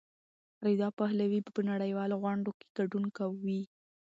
رضا پهلوي په نړیوالو غونډو کې ګډون کوي.